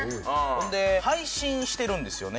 ほんで配信してるんですよね